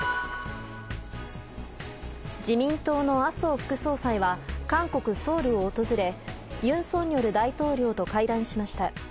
自民党の麻生副総裁は韓国ソウルを訪れ尹錫悦大統領と会談しました。